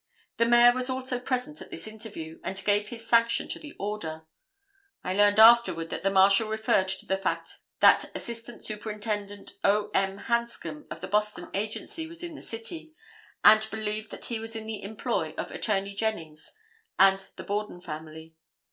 The Mayor was also present at this interview, and gave his sanction to the order. I learned afterward that the Marshal referred to the fact that Assistant Superintendent O. M. Hanscom of the Boston Agency was in the city, and believed that he was in the employ of Attorney Jennings and the Borden family.